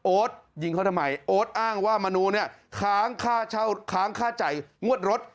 ยิงเขาทำไมโอ๊ตอ้างว่ามนูเนี่ยค้างค่าเช่าค้างค่าจ่ายงวดรถ